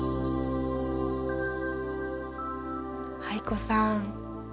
藍子さん